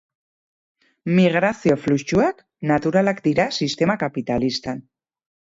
Migrazio fluxuak naturalak dira sistema kapitalistan.